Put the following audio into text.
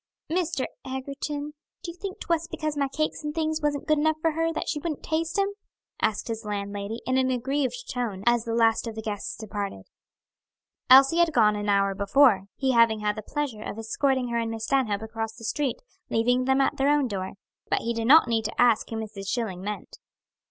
"Mr. Egerton, do you think 'twas because my cakes and things wasn't good enough for her that she wouldn't taste 'em?" asked his landlady, in an aggrieved tone, as the last of the guests departed. Elsie had gone an hour before, he having had the pleasure of escorting her and Miss Stanhope across the street, leaving them at their own door; but he did not need to ask whom Mrs. Schilling meant.